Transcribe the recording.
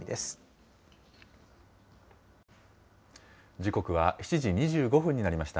時刻は７時２５分になりました。